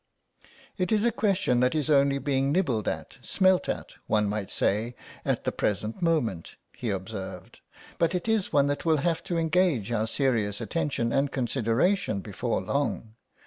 "It is a question that is only being nibbled at, smelt at, one might say, at the present moment," he observed, "but it is one that will have to engage our serious attention and consideration before long.